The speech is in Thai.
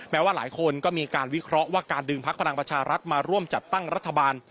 ว่าหลายคนก็มีการวิเคราะห์ว่าการดึงพักพลังประชารัฐมาร่วมจัดตั้งรัฐบาล